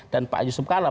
dan pak yusuf kala